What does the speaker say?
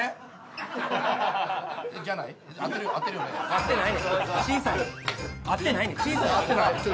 合ってないねん小さい。